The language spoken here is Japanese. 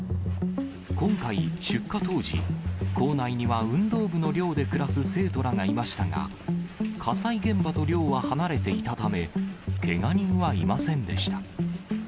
今回、出火当時、校内には運動部の寮で暮らす生徒らがいましたが、火災現場と寮は離れていたため、けが人はいませんでした。